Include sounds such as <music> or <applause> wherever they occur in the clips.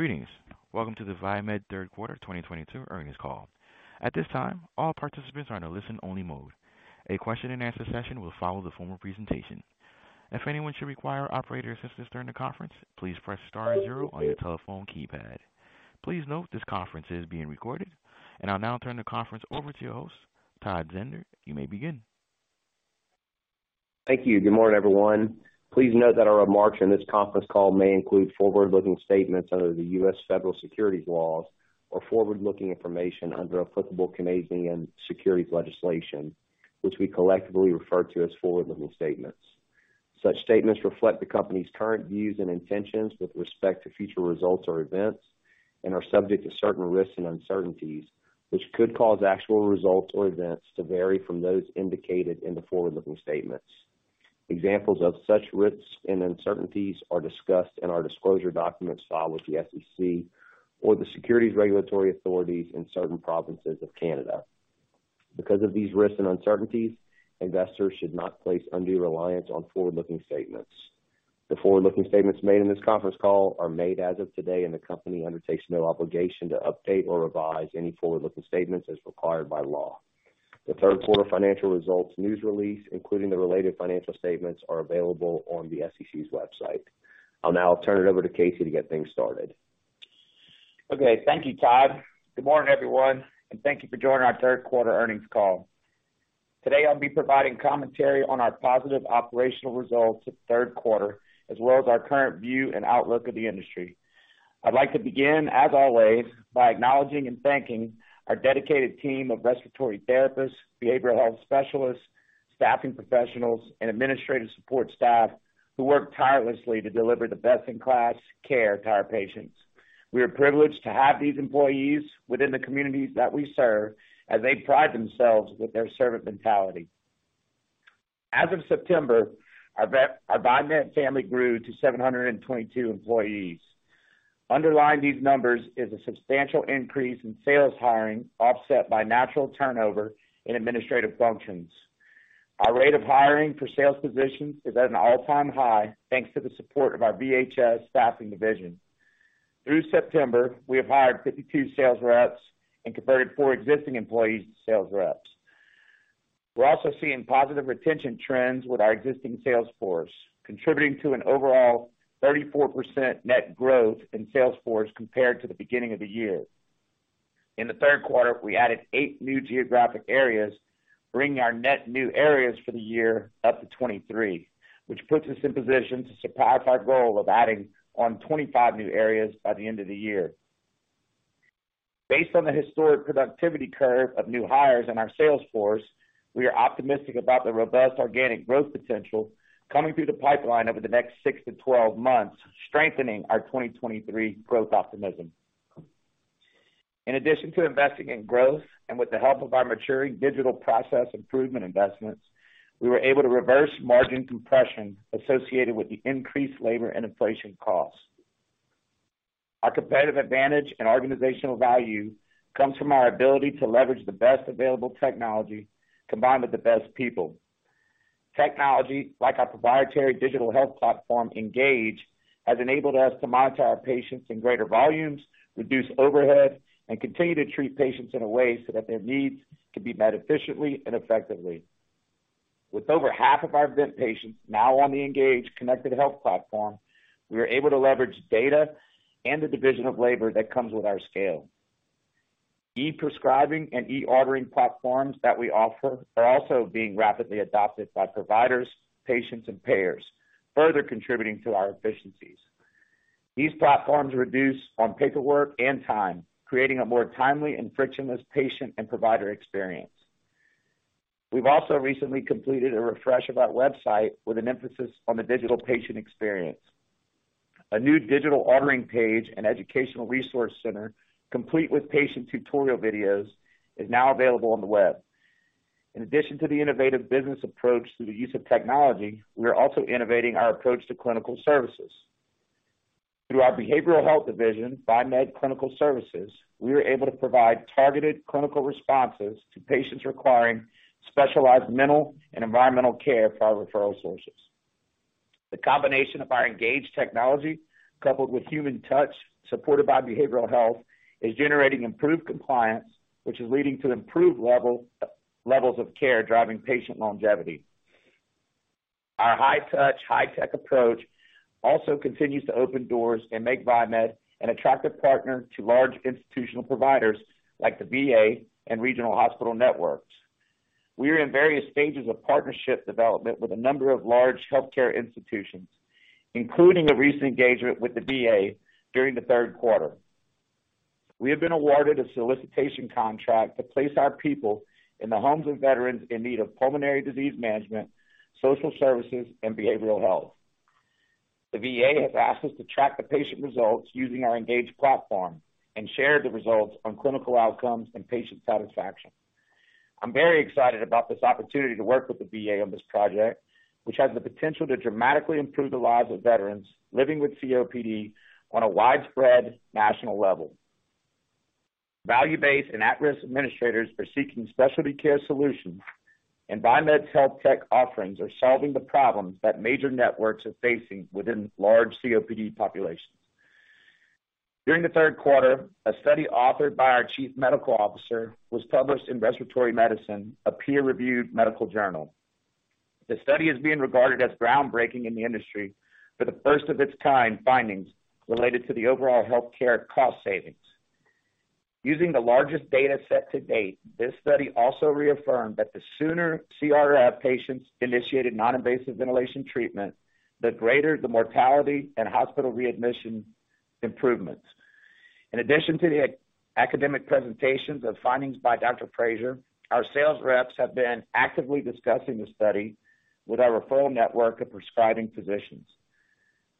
Greetings. Welcome to the Viemed Third Quarter 2022 Earnings Call. At this time, all participants are in a listen-only mode. A question-and-answer session will follow the formal presentation. If anyone should require operator assistance during the conference, please press star zero on your telephone keypad. Please note this conference is being recorded. I'll now turn the conference over to your host, Todd Zehnder. You may begin. Thank you. Good morning, everyone. Please note that our remarks in this conference call may include forward-looking statements under the US Federal Securities laws or forward-looking information under applicable Canadian securities legislation, which we collectively refer to as "forward-looking statements." Such statements reflect the company's current views and intentions with respect to future results or events and are subject to certain risks and uncertainties, which could cause actual results or events to vary from those indicated in the forward-looking statements. Examples of such risks and uncertainties are discussed in our disclosure documents filed with the SEC or the securities regulatory authorities in certain provinces of Canada. Because of these risks and uncertainties, investors should not place undue reliance on forward-looking statements. The forward-looking statements made in this conference call are made as of today, and the company undertakes no obligation to update or revise any forward-looking statements as required by law. The third quarter financial results news release, including the related financial statements, are available on the SEC's website. I'll now turn it over to Casey to get things started. Okay. Thank you, Todd. Good morning, everyone, and thank you for joining our third quarter earnings call. Today, I'll be providing commentary on our positive operational results this third quarter, as well as our current view and outlook of the industry. I'd like to begin, as always, by acknowledging and thanking our dedicated team of respiratory therapists, behavioral health specialists, staffing professionals, and administrative support staff who work tirelessly to deliver the best-in-class care to our patients. We are privileged to have these employees within the communities that we serve, as they pride themselves with their servant mentality. As of September, our Viemed family grew to 722 employees. Underlying these numbers is a substantial increase in sales hiring, offset by natural turnover in administrative functions. Our rate of hiring for sales positions is at an all-time high, thanks to the support of our VHS staffing division. Through September, we have hired 52% sales reps and converted four existing employees to sales reps. We're also seeing positive retention trends with our existing sales force, contributing to an overall 34% net growth in sales force compared to the beginning of the year. In the third quarter, we added eight new geographic areas, bringing our net new areas for the year up to 23, which puts us in position to certify our goal of adding on 25 new areas by the end of the year. Based on the historic productivity curve of new hires in our sales force, we are optimistic about the robust organic growth potential coming through the pipeline over the next six to 12 months, strengthening our 2023 growth optimism. In addition to investing in growth and with the help of our maturing digital process improvement investments, we were able to reverse margin compression associated with the increased labor and inflation costs. Our competitive advantage and organizational value comes from our ability to leverage the best available technology combined with the best people. Technology, like our proprietary digital health platform, Engage, has enabled us to monitor our patients in greater volumes, reduce overhead, and continue to treat patients in a way so that their needs can be met efficiently and effectively. With over half of our vent patients now on the Engage connected health platform, we are able to leverage data and the division of labor that comes with our scale. e-prescribing and e-ordering platforms that we offer are also being rapidly adopted by providers, patients, and payers, further contributing to our efficiencies. These platforms reduce on paperwork and time, creating a more timely and frictionless patient and provider experience. We've also recently completed a refresh of our website with an emphasis on the digital patient experience. A new digital ordering page and educational resource center, complete with patient tutorial videos, is now available on the web. In addition to the innovative business approach through the use of technology, we are also innovating our approach to clinical services. Through our behavioral health division, Viemed Clinical Services, we are able to provide targeted clinical responses to patients requiring specialized mental and environmental care for our referral sources. The combination of our Engage technology, coupled with human touch supported by behavioral health, is generating improved compliance, which is leading to improved levels of care, driving patient longevity. Our high-touch, high-tech approach also continues to open doors and make Viemed an attractive partner to large institutional providers like the VA and regional hospital networks. We are in various stages of partnership development with a number of large healthcare institutions, including a recent engagement with the VA during the third quarter. We have been awarded a solicitation contract to place our people in the homes of veterans in need of pulmonary disease management, social services, and behavioral health. The VA has asked us to track the patient results using our Engage platform and share the results on clinical outcomes and patient satisfaction. I'm very excited about this opportunity to work with the VA on this project, which has the potential to dramatically improve the lives of veterans living with COPD on a widespread national level. Value-based and at-risk administrators are seeking specialty care solutions, and Viemed's health tech offerings are solving the problems that major networks are facing within large COPD populations. During the third quarter, a study authored by our Chief Medical Officer was published in Respiratory Medicine, a peer-reviewed medical journal. The study is being regarded as groundbreaking in the industry for the first of its kind findings related to the overall healthcare cost savings. Using the largest data set to date, this study also reaffirmed that the sooner CRF patients initiated non-invasive ventilation treatment, the greater the mortality and hospital readmission improvements. In addition to the academic presentations of findings by Dr. Frazier, our sales reps have been actively discussing the study with our referral network of prescribing physicians.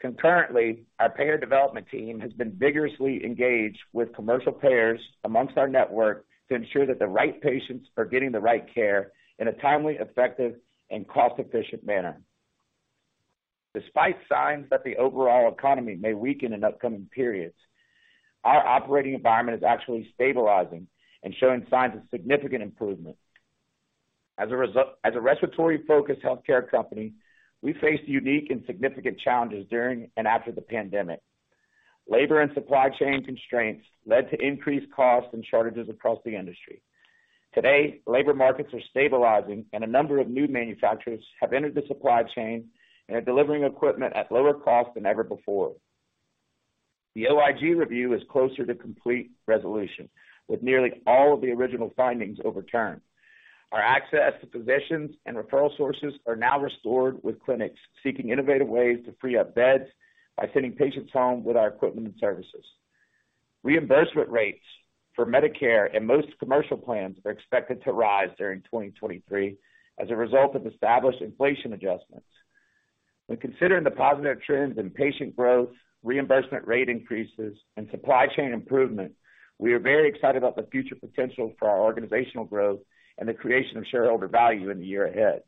Concurrently, our payer development team has been vigorously engaged with commercial payers among our network to ensure that the right patients are getting the right care in a timely, effective, and cost-efficient manner. Despite signs that the overall economy may weaken in upcoming periods, our operating environment is actually stabilizing and showing signs of significant improvement. As a respiratory-focused healthcare company, we face unique and significant challenges during and after the pandemic. Labor and supply chain constraints led to increased costs and shortages across the industry. Today, labor markets are stabilizing, and a number of new manufacturers have entered the supply chain and are delivering equipment at lower cost than ever before. The OIG review is closer to complete resolution, with nearly all of the original findings overturned. Our access to physicians and referral sources are now restored, with clinics seeking innovative ways to free up beds by sending patients home with our equipment and services. Reimbursement rates for Medicare and most commercial plans are expected to rise during 2023 as a result of established inflation adjustments. When considering the positive trends in patient growth, reimbursement rate increases, and supply chain improvement, we are very excited about the future potential for our organizational growth and the creation of shareholder value in the year ahead.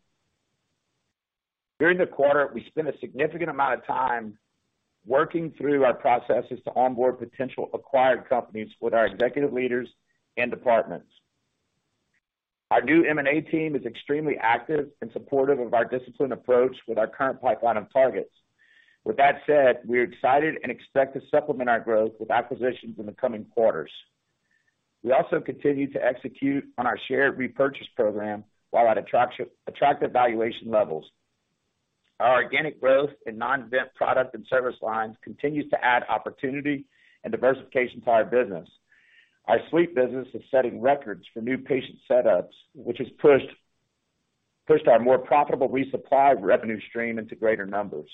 During the quarter, we spent a significant amount of time working through our processes to onboard potential acquired companies with our executive leaders and departments. Our new M&A team is extremely active and supportive of our disciplined approach with our current pipeline of targets. With that said, we're excited and expect to supplement our growth with acquisitions in the coming quarters. We also continue to execute on our share repurchase program while at attractive valuation levels. Our organic growth in non-vent product and service lines continues to add opportunity and diversification to our business. Our sleep business is setting records for new patient setups, which has pushed our more profitable resupply revenue stream into greater numbers.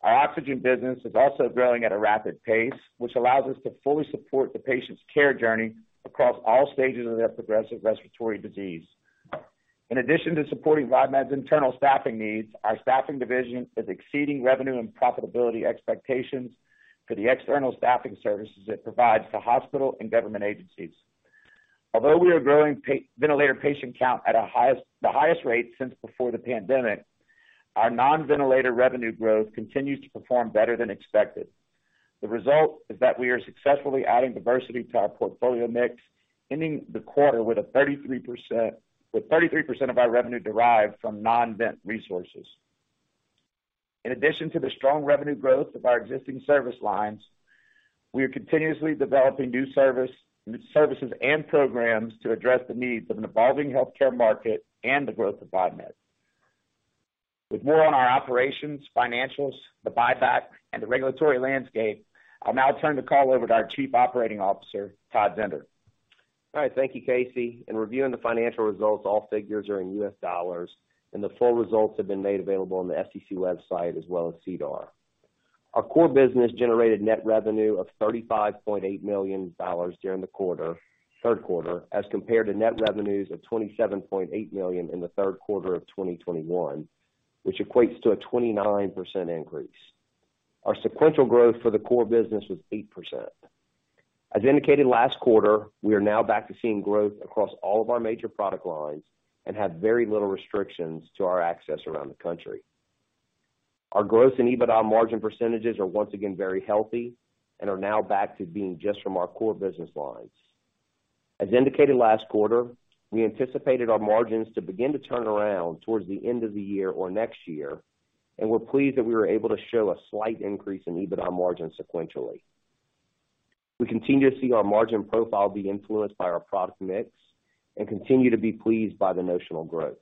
Our oxygen business is also growing at a rapid pace, which allows us to fully support the patient's care journey across all stages of their progressive respiratory disease. In addition to supporting Viemed's internal staffing needs, our staffing division is exceeding revenue and profitability expectations for the external staffing services it provides to hospital and government agencies. Although we are growing ventilator patient count at the highest rate since before the pandemic, our non-ventilator revenue growth continues to perform better than expected. The result is that we are successfully adding diversity to our portfolio mix, ending the quarter with 33% of our revenue derived from non-vent resources. In addition to the strong revenue growth of our existing service lines, we are continuously developing new services and programs to address the needs of an evolving healthcare market and the growth of Viemed. With more on our operations, financials, the buyback and the regulatory landscape, I'll now turn the call over to our Chief Operating Officer, Todd Zehnder. All right, thank you, Casey. In reviewing the financial results, all figures are in US dollars, and the full results have been made available on the SEC website as well as SEDAR. Our core business generated net revenue of $35.8 million during the quarter, third quarter, as compared to net revenues of $27.8 million in the third quarter of 2021, which equates to a 29% increase. Our sequential growth for the core business was 8%. As indicated last quarter, we are now back to seeing growth across all of our major product lines and have very little restrictions to our access around the country. Our gross and EBITDA margin percentages are once again very healthy and are now back to being just from our core business lines. As indicated last quarter, we anticipated our margins to begin to turn around towards the end of the year or next year, and we're pleased that we were able to show a slight increase in EBITDA margins sequentially. We continue to see our margin profile be influenced by our product mix and continue to be pleased by the notional growth.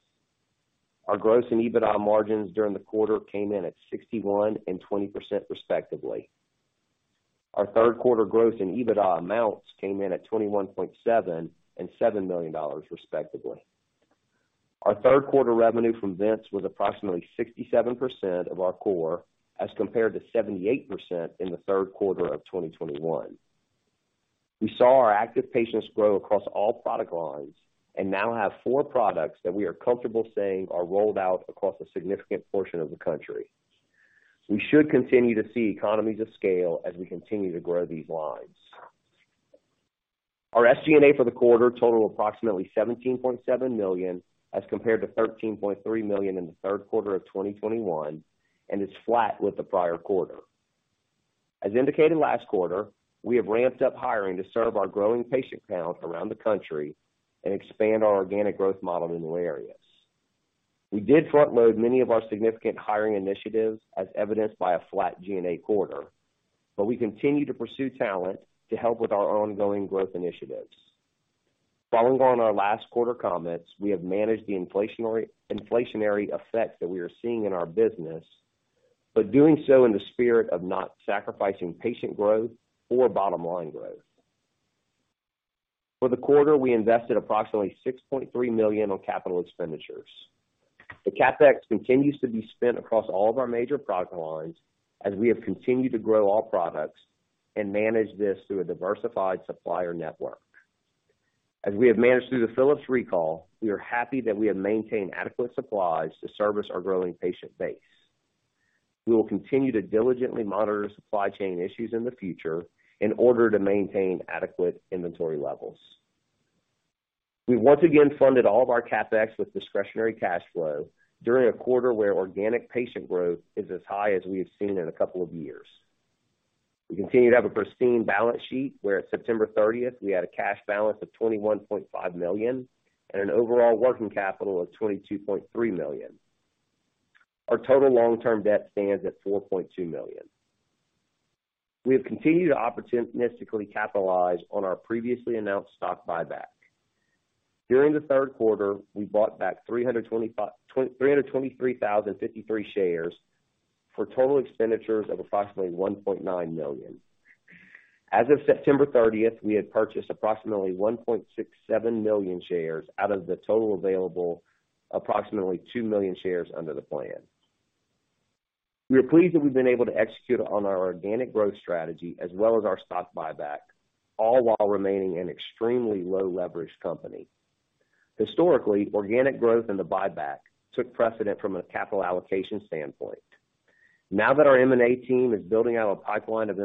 Our gross and EBITDA margins during the quarter came in at 61% and 20% respectively. Our third quarter gross and EBITDA amounts came in at $21.7 million and $7 million respectively. Our third quarter revenue from vents was approximately 67% of our core, as compared to 78% in the third quarter of 2021. We saw our active patients grow across all product lines and now have four products that we are comfortable saying are rolled out across a significant portion of the country. We should continue to see economies of scale as we continue to grow these lines. Our SG&A for the quarter totaled approximately $17.7 million, as compared to $13.3 million in the third quarter of 2021, and is flat with the prior quarter. As indicated last quarter, we have ramped up hiring to serve our growing patient panels around the country and expand our organic growth model in new areas. We did front load many of our significant hiring initiatives as evidenced by a flat G&A quarter, but we continue to pursue talent to help with our ongoing growth initiatives. Following on our last quarter comments, we have managed the inflationary effect that we are seeing in our business but doing so in the spirit of not sacrificing patient growth or bottom-line growth. For the quarter, we invested approximately $6.3 million on capital expenditures. The CapEx continues to be spent across all of our major product lines as we have continued to grow all products and manage this through a diversified supplier network. As we have managed through the Philips recall, we are happy that we have maintained adequate supplies to service our growing patient base. We will continue to diligently monitor supply chain issues in the future in order to maintain adequate inventory levels. We once again funded all of our CapEx with discretionary cash flow during a quarter where organic patient growth is as high as we have seen in a couple of years. We continue to have a pristine balance sheet, where at September thirtieth we had a cash balance of $21.5 million and an overall working capital of $22.3 million. Our total long-term debt stands at $4.2 million. We have continued to opportunistically capitalize on our previously announced stock buyback. During the third quarter, we bought back 323,053 shares for total expenditures of approximately $1.9 million. As of 30 September 2022, we had purchased approximately 1.67 million shares out of the total available, approximately 2 million shares under the plan. We are pleased that we've been able to execute on our organic growth strategy as well as our stock buyback, all while remaining an extremely low leverage company. Historically, organic growth and the buyback took precedent from a capital allocation standpoint. Now that our M&A team is building out a pipeline of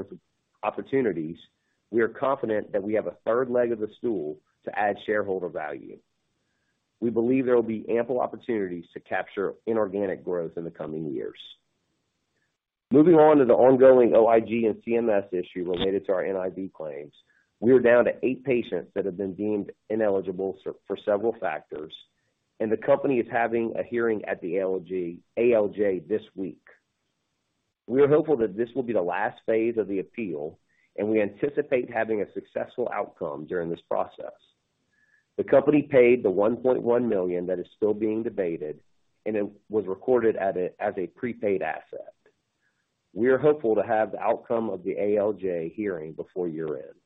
opportunities, we are confident that we have a third leg of the stool to add shareholder value. We believe there will be ample opportunities to capture inorganic growth in the coming years. Moving on to the ongoing OIG and CMS issue related to our NIV claims. We are down to eight patients that have been deemed ineligible for several factors, and the company is having a hearing at the ALJ this week. We are hopeful that this will be the last phase of the appeal, and we anticipate having a successful outcome during this process. The company paid the $1.1 million that is still being debated, and it was recorded as a prepaid asset. We are hopeful to have the outcome of the ALJ hearing before year-end.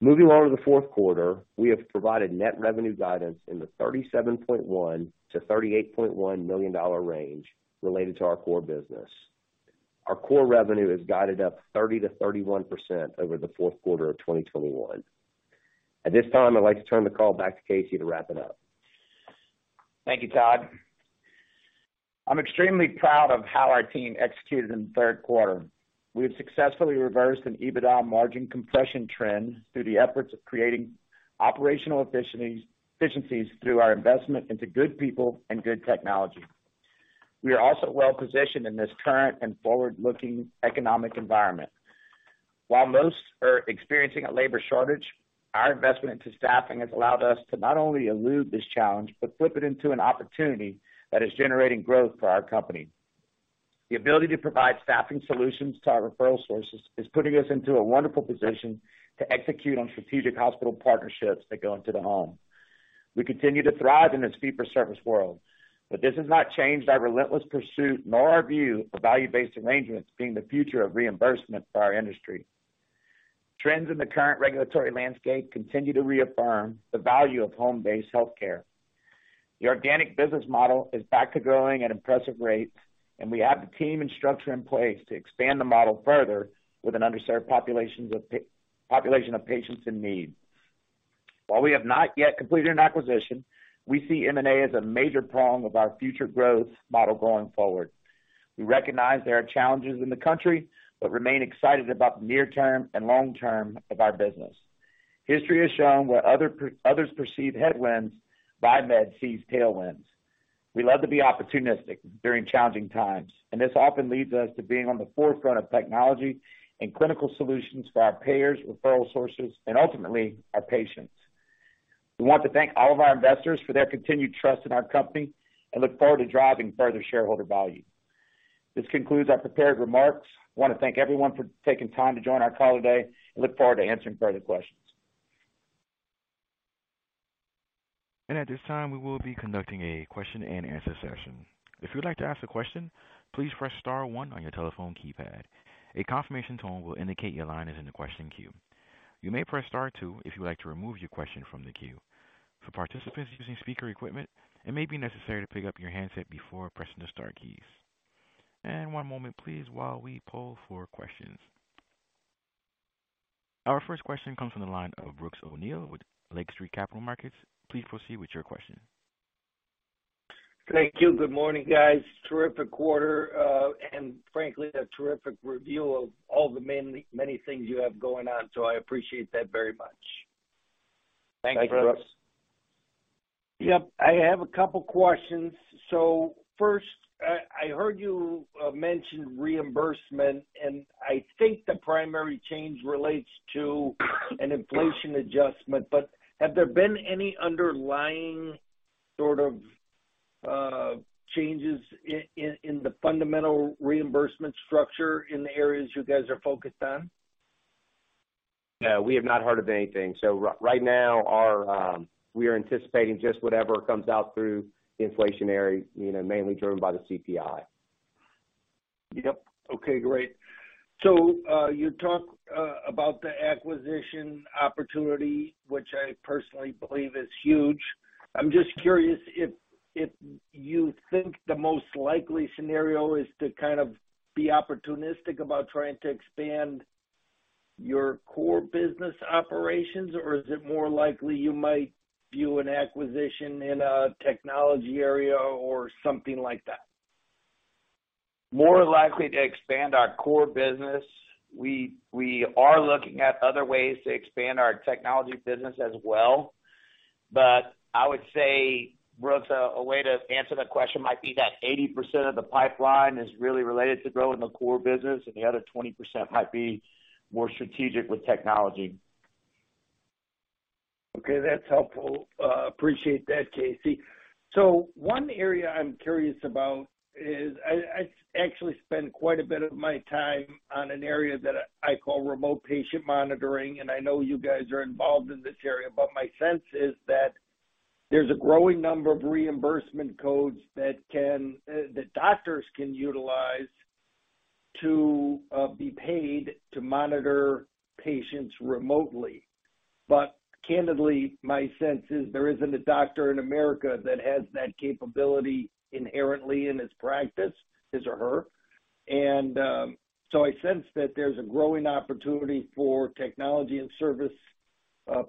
Moving on to the fourth quarter. We have provided net revenue guidance in the $37.1 to 38.1 million range related to our core business. Our core revenue is guided up 30% to 31% over the fourth quarter of 2021. At this time, I'd like to turn the call back to Casey to wrap it up. Thank you, Todd. I'm extremely proud of how our team executed in the third quarter. We have successfully reversed an EBITDA margin compression trend through the efforts of creating operational efficiencies through our investment into good people and good technology. We are also well positioned in this current and forward-looking economic environment. While most are experiencing a labor shortage, our investment into staffing has allowed us to not only elude this challenge but flip it into an opportunity that is generating growth for our company. The ability to provide staffing solutions to our referral sources is putting us into a wonderful position to execute on strategic hospital partnerships that go into the home. We continue to thrive in this fee-for-service world, but this has not changed our relentless pursuit nor our view of value-based arrangements being the future of reimbursement for our industry. Trends in the current regulatory landscape continue to reaffirm the value of home-based healthcare. The organic business model is back to growing at impressive rates, and we have the team and structure in place to expand the model further with an underserved population of patients in need. While we have not yet completed an acquisition, we see M&A as a major prong of our future growth model going forward. We recognize there are challenges in the country but remain excited about the near term and long term of our business. History has shown where others perceive headwinds, Viemed sees tailwinds. We love to be opportunistic during challenging times, and this often leads us to being on the forefront of technology and clinical solutions for our payers, referral sources, and ultimately our patients. We want to thank all of our investors for their continued trust in our company and look forward to driving further shareholder value. This concludes our prepared remarks. I want to thank everyone for taking time to join our call today and look forward to answering further questions. At this time, we will be conducting a question-and-answer session. If you'd like to ask a question, please press star one on your telephone keypad. A confirmation tone will indicate your line is in the question queue. You may press star two if you would like to remove your question from the queue. For participants using speaker equipment, it may be necessary to pick up your handset before pressing the star keys. One moment please while we poll for questions. Our first question comes from the line of Brooks O'Neil with Lake Street Capital Markets. Please proceed with your question. Thank you. Good morning, guys. Terrific quarter, and frankly, a terrific review of all the many things you have going on. I appreciate that very much. Thanks, Brooks. Thank you, Brooks. Yep, I have a couple questions. I heard you mention reimbursement, and I think the primary change relates to an inflation adjustment, but have there been any underlying sort of changes in the fundamental reimbursement structure in the areas you guys are focused on? No, we have not heard of anything. Right now, we are anticipating just whatever comes out through inflationary, you know, mainly driven by the CPI. Yep. Okay, great. You talk about the acquisition opportunity, which I personally believe is huge. I'm just curious if you think the most likely scenario is to kind of be opportunistic about trying to expand your core business operations, or is it more likely you might view an acquisition in a technology area or something like that? More likely to expand our core business. We are looking at other ways to expand our technology business as well. I would say, Brooks, a way to answer that question might be that 80% of the pipeline is really related to growing the core business and the other 20% might be more strategic with technology. Okay, that's helpful. Appreciate that, Casey. One area I'm curious about is I actually spend quite a bit of my time on an area that I call remote patient monitoring, and I know you guys are involved in this area, but my sense is that there's a growing number of reimbursement codes that doctors can utilize to be paid to monitor patients remotely. Candidly, my sense is there isn't a doctor in America that has that capability inherently in his practice, his or her. I sense that there's a growing opportunity for technology and service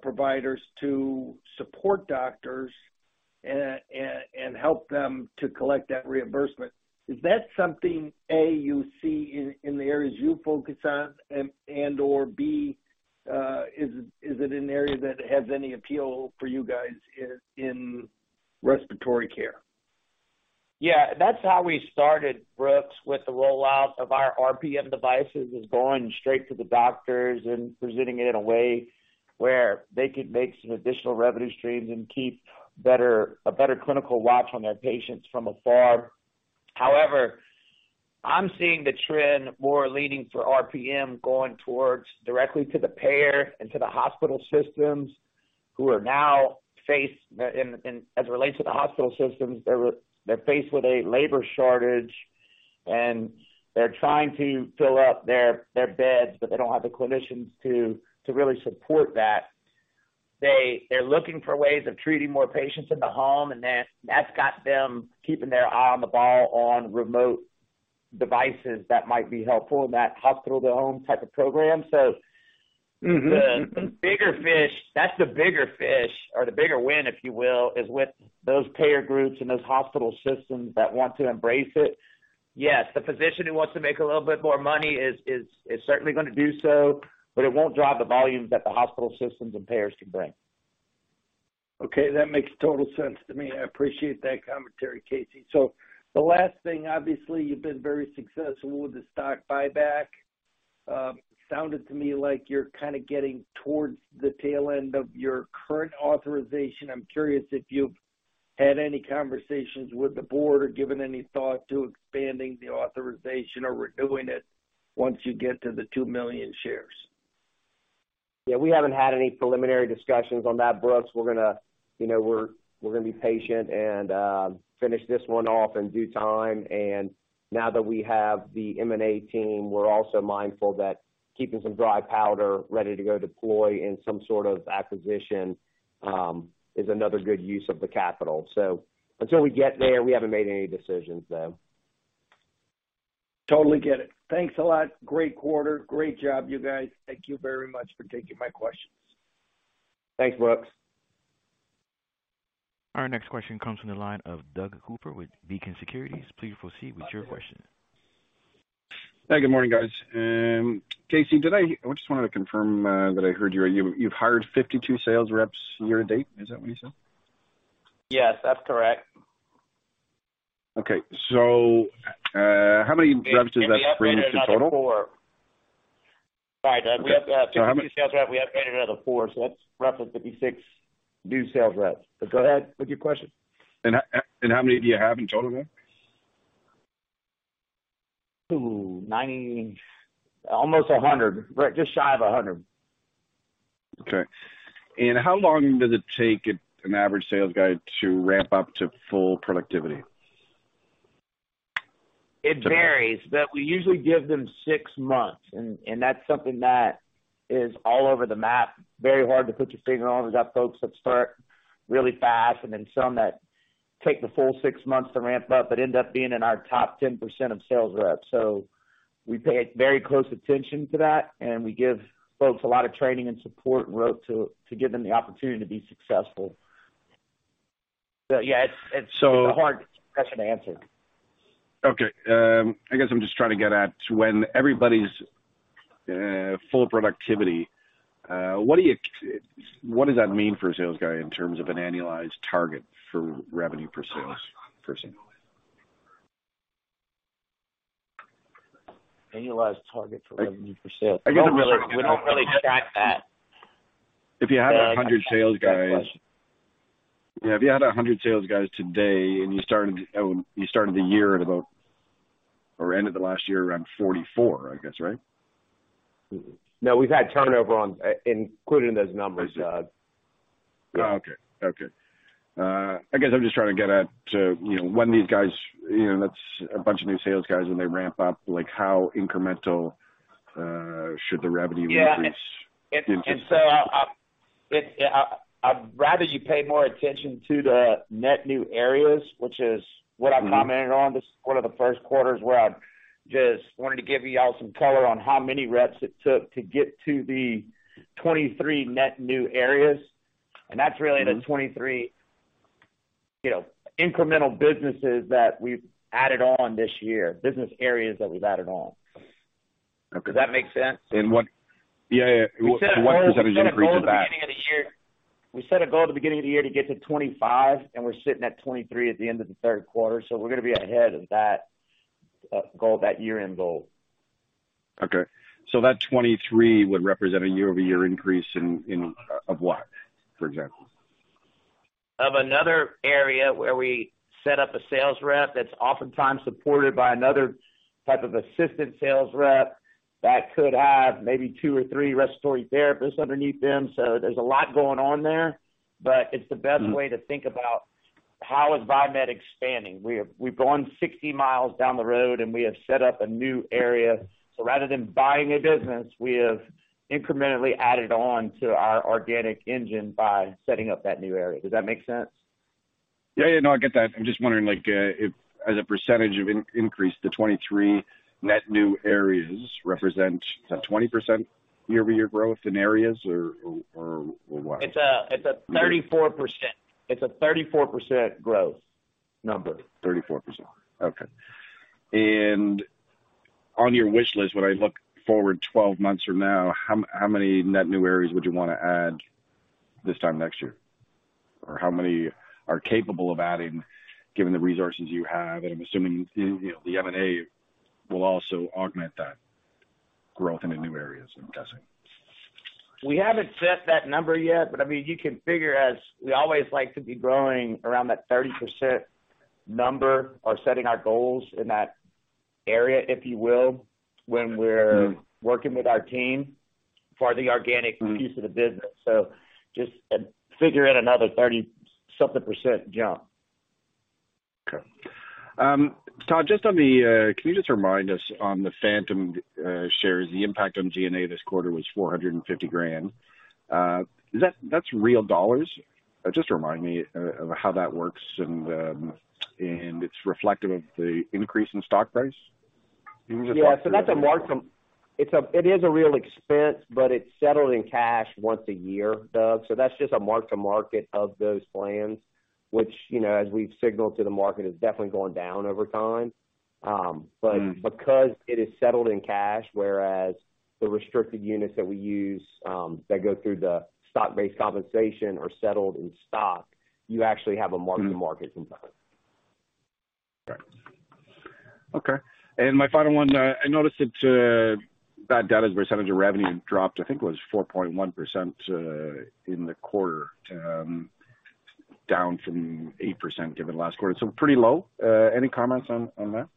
providers to support doctors and help them to collect that reimbursement. Is that something, A, you see in the areas you focus on and/or B, is it an area that has any appeal for you guys in respiratory care? Yeah, that's how we started, Brooks, with the rollout of our RPM devices, was going straight to the doctors and presenting it in a way where they could make some additional revenue streams and keep a better clinical watch on their patients from afar. However, I'm seeing the trend more leaning toward RPM going towards directly to the payer and to the hospital systems, and as it relates to the hospital systems, they're faced with a labor shortage, and they're trying to fill up their beds, but they don't have the clinicians to really support that. They're looking for ways of treating more patients in the home, and then that's got them keeping their eye on the ball on remote devices that might be helpful in that hospital-to-home type of program, so... <crosstalk> Mm-hmm. The bigger fish. That's the bigger fish or the bigger win, if you will, is with those payer groups and those hospital systems that want to embrace it. Yes, the physician who wants to make a little bit more money is certainly gonna do so, but it won't drive the volumes that the hospital systems and payers can bring. Okay. That makes total sense to me. I appreciate that commentary, Casey. The last thing, obviously, you've been very successful with the stock buyback. Sounded to me like you're kind of getting towards the tail end of your current authorization. I'm curious if you've had any conversations with the board or given any thought to expanding the authorization or renewing it once you get to the 2 million shares. Yeah, we haven't had any preliminary discussions on that, Brooks. We're gonna, you know, be patient and finish this one off in due time. Now that we have the M&A team, we're also mindful that keeping some dry powder ready to go deploy in some sort of acquisition is another good use of the capital. Until we get there, we haven't made any decisions, though. Totally get it. Thanks a lot. Great quarter. Great job, you guys. Thank you very much for taking my questions. Thanks, Brooks. Our next question comes from the line of Doug Cooper with Beacon Securities. Please proceed with your question. Hey, good morning, guys. Casey, I just wanted to confirm that I heard you right. You've hired 52% sales reps' year to date. Is that what you said? Yes, that's correct. Okay. How many... <crosstalk> reps do that bring us to total? Sorry, Doug... <crosstalk> we have 52% sales rep. We have added another 4%. That's roughly 56% new sales reps. Go ahead with your question. How many do you have in total now? Ooh, 90%, almost a 100%. We're just shy of a 100%. Okay. How long does it take an average sales guy to ramp up to full productivity? It varies, but we usually give them six months, and that's something that is all over the map. Very hard to put your finger on. We got folks that start really fast and then some that take the full six months to ramp up, but end up being in our top 10% of sales reps. We pay very close attention to that, and we give folks a lot of training and support and rope to give them the opportunity to be successful. Yeah, it's a hard question to answer. Okay. I guess I'm just trying to get at when everybody's full productivity, what does that mean for a sales guy in terms of an annualized target for revenue per salesperson? Annualized target for revenue per sales. I get... <crosstalk> We don't really track that. If you had... <crosstalk> 100% sales guys. Yeah, if you had 100% sales guys today and you started the year at about or ended the last year around 44%, I guess, right? No, we've had turnover included in those numbers, Doug. Okay. I guess I'm just trying to get at, you know, when these guys, you know, that's a bunch of new sales guys when they ramp up, like how incremental should the revenue increase? <crosstalk> I'd rather you pay more attention to the net new areas, which is what I commented on. This is one of the first quarters where I just wanted to give you all some color on how many reps it took to get to the 23% net new areas. That's really the 23%, you know, incremental businesses that we've added on this year, business areas that we've added on. Okay... <crosstalk> Does that make sense? What percentage increase is that... <crosstalk> We set a goal at the beginning of the year to get to 25%, and we're sitting at 23% at the end of the third quarter. We're gonna be ahead of that goal, that year-end goal. Okay. That 23% would represent a year-over-year increase in of what, for example? Of another area where we set up a sales rep that's oftentimes supported by another type of assistant sales rep that could have maybe two or three respiratory therapists underneath them. There's a lot going on there, but it's the best way to think about how Viemed is expanding. We've gone 60 miles down the road, and we have set up a new area. Rather than buying a business, we have incrementally added on to our organic engine by setting up that new area. Does that make sense? Yeah, yeah. No, I get that. I'm just wondering, like, if as a percentage of increase, the 23% net new areas represent, is that 20% year-over-year growth in areas or what? It's a 34% growth number. 34%. Okay. On your wish list, when I look forward 12 months from now, how many net new areas would you want to add this time next year? How many are capable of adding given the resources you have? I'm assuming, you know, the M&A will also augment that growth into new areas, I'm guessing. We haven't set that number yet, but, I mean, you can figure as we always like to be growing around that 30% number or setting our goals in that area, if you will, when we're working with our team for the organic piece of the business. Just figure in another 30% something jump. Okay. Todd, just on the phantom shares, the impact on D&A this quarter was $450,000. That's real dollars? Just remind me how that works and it's reflective of the increase in stock price? That's a real expense, but it's settled in cash once a year, Doug. That's just a mark to market of those plans, which, you know, as we've signaled to the market, is definitely going down over time... <crosstalk> Mm. Because it is settled in cash, whereas the restricted units that we use, that go through the stock-based compensation are settled in stock, you actually have a mark to market component. Okay. My final one, I noticed that bad debt as a percentage of revenue dropped. I think it was 4.1% in the quarter, down from 8% in last quarter. Pretty low. Any comments on that?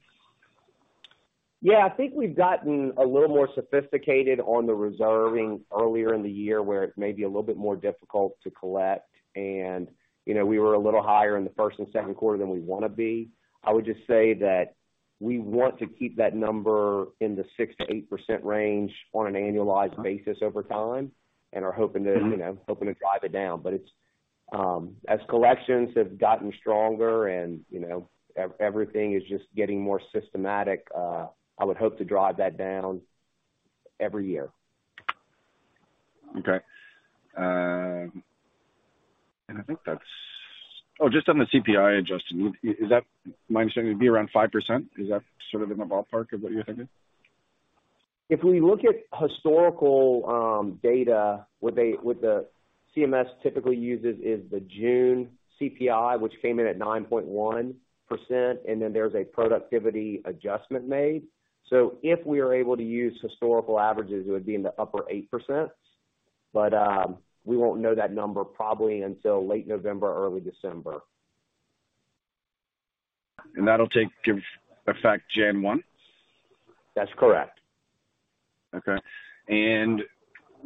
Yeah. I think we've gotten a little more sophisticated on the reserving earlier in the year, where it may be a little bit more difficult to collect. You know, we were a little higher in the first and second quarter than we want to be. I would just say that we want to keep that number in the 6% to 8% range on an annualized basis over time and are hoping to... <crosstalk> Mm-hmm. You know, hoping to drive it down. It's, as collections have gotten stronger and, you know, everything is just getting more systematic. I would hope to drive that down every year. Okay. Oh, just on the CPI adjustment, is that my understanding it'd be around 5%? Is that sort of in the ballpark of what you're thinking? If we look at historical data, what the CMS typically uses is the June CPI, which came in at 9.1%, and then there's a productivity adjustment made. If we are able to use historical averages, it would be in the upper 8%. We won't know that number probably until late November or early December. That'll give effect 1 January 2023. That's correct. Okay.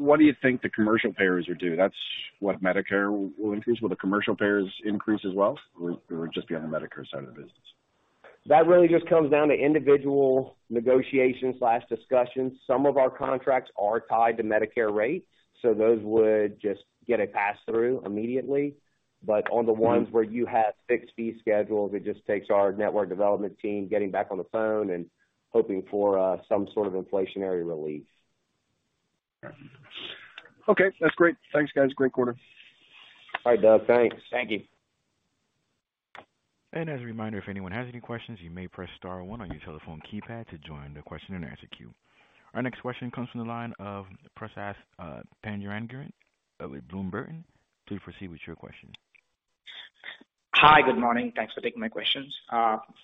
What do you think the commercial payers will do? That's what Medicare will increase. Will the commercial payers increase as well? Or just be on the Medicare side of the business? That really just comes down to individual negotiations or discussions. Some of our contracts are tied to Medicare rates, so those would just get a pass-through immediately. On the ones where you have fixed fee schedules, it just takes our network development team getting back on the phone and hoping for some sort of inflationary relief. Okay. That's great. Thanks, guys. Great quarter. All right, Doug. Thanks. Thank you. As a reminder, if anyone has any questions, you may press star one on your telephone keypad to join the question-and-answer queue. Our next question comes from the line of Prasad <inaudible> with Bloomberg. Please proceed with your question. Hi. Good morning. Thanks for taking my questions.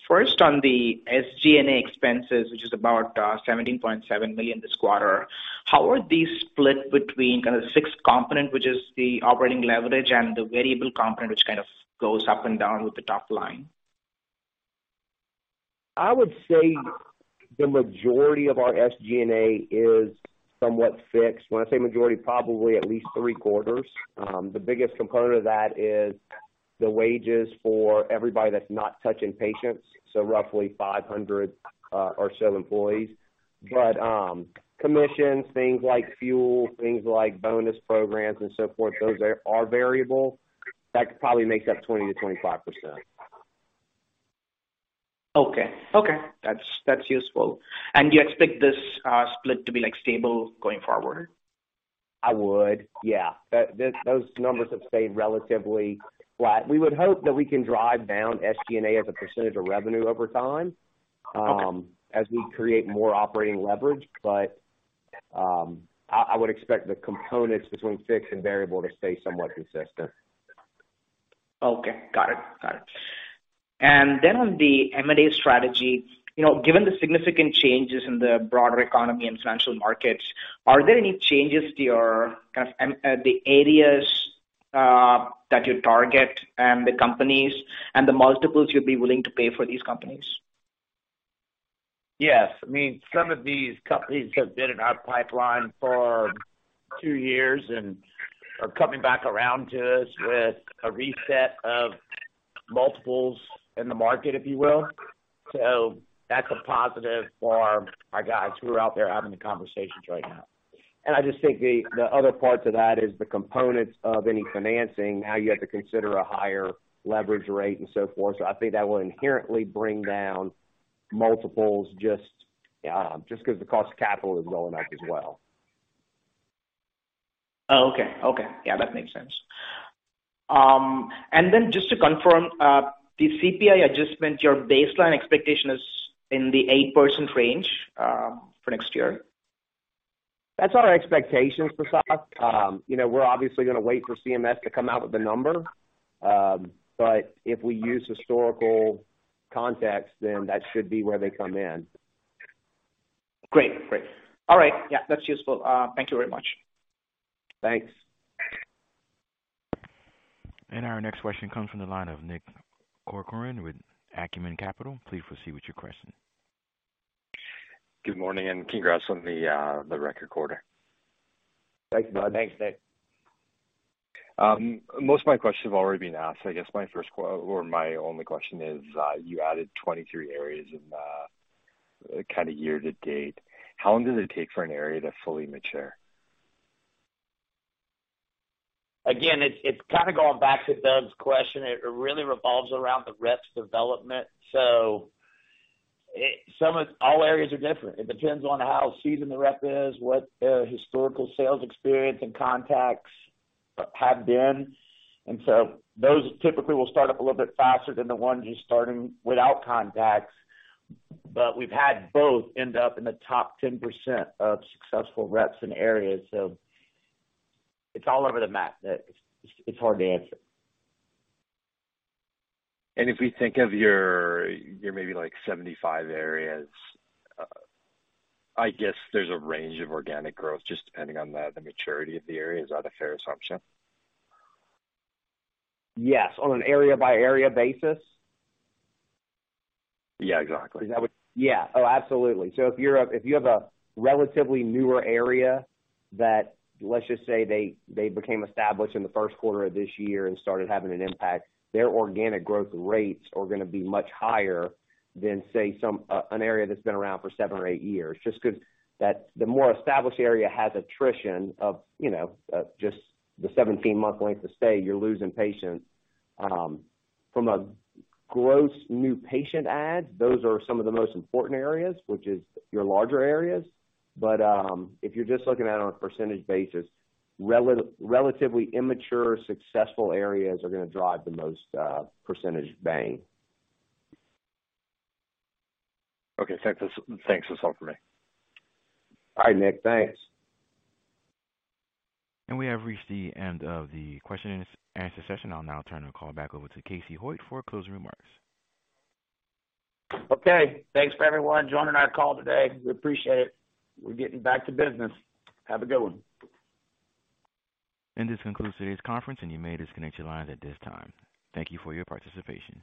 First, on the SG&A expenses, which is about $17.7 million this quarter, how are these split between kind of the fixed component, which is the operating leverage, and the variable component, which kind of goes up and down with the top line? I would say the majority of our SG&A is somewhat fixed. When I say majority, probably at least three-quarters. The biggest component of that is the wages for everybody that's not touching patients, so roughly 500 or so employees. Commissions, things like fuel, things like bonus programs and so forth, those are variable. That probably makes up 20% to 25%. Okay, that's useful. You expect this split to be, like, stable going forward? I would, yeah. Those numbers have stayed relatively flat. We would hope that we can drive down SG&A as a percentage of revenue over time. Okay. As we create more operating leverage. I would expect the components between fixed and variable to stay somewhat consistent. Okay. Got it. Then on the M&A strategy, you know, given the significant changes in the broader economy and financial markets, are there any changes to your kind of, the areas that you target and the companies and the multiples you'd be willing to pay for these companies? Yes. I mean, some of these companies have been in our pipeline for two years and are coming back around to us with a reset of multiples in the market, if you will. That's a positive for our guys who are out there having the conversations right now. I just think the other part to that is the components of any financing. Now you have to consider a higher leverage rate and so forth. I think that will inherently bring down multiples just cause the cost of capital is going up as well. Okay. Yeah, that makes sense. Just to confirm, the CPI adjustment, your baseline expectation is in the 8% range for next year? That's our expectations, Prasad. You know, we're obviously gonna wait for CMS to come out with the number. If we use historical context, then that should be where they come in. Great. All right. Yeah, that's useful. Thank you very much. Thanks. Our next question comes from the line of Nick Corcoran with Acumen Capital. Please proceed with your question. Good morning and congrats on the record quarter. Thanks, bud. Thanks, Nick. Most of my questions have already been asked. I guess my first or my only question is, you added 23 areas in the kinda year to date. How long does it take for an area to fully mature? Again, it's kinda going back to Doug's question. It really revolves around the rep's development. All areas are different. It depends on how seasoned the rep is, what their historical sales experience and contacts have been. Those typically will start up a little bit faster than the ones who's starting without contacts. We've had both end up in the top 10% of successful reps in areas, so it's all over the map. It's hard to answer. If we think of your your maybe like 75 areas, I guess there's a range of organic growth just depending on the maturity of the area. Is that a fair assumption? Yes. On an area-by-area basis? Yeah, exactly. Yeah. Oh, absolutely. If you have a relatively newer area that, let's just say, they became established in the first quarter of this year and started having an impact, their organic growth rates are gonna be much higher than, say, an area that's been around for seven or eight years, just 'cause the more established area has attrition of, you know, just the 17-month length of stay, you're losing patients. From a gross new patient adds, those are some of the most important areas, which is your larger areas. If you're just looking at it on a percentage basis, relatively immature, successful areas are gonna drive the most percentage bang. Okay. Thanks. That's all for me. All right, Nick. Thanks. We have reached the end of the question-and-answer session. I'll now turn the call back over to Casey Hoyt for closing remarks. Okay. Thanks for everyone joining our call today. We appreciate it. We're getting back to business. Have a good one. This concludes today's conference, and you may disconnect your lines at this time. Thank you for your participation.